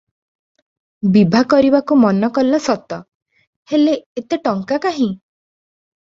ବିଭା କରିବାକୁ ମନ କଲା ସତ, ହେଲେ ଏତେ ଟଙ୍କା କାହିଁ?